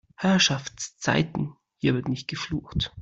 Herrschaftszeiten, hier wird nicht geflucht!